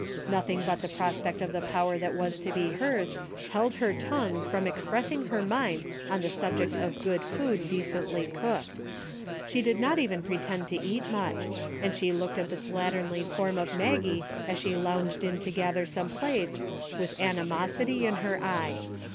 Nothing but the pros pect of the power that was to be hers held her tongue from expressing her mind on the sub ject of good food decently cooked. She did not even pretend to eat much, and she looked at the slatternly form of Maggie as she lounged in to gather some plates, with ani mosity in her eye.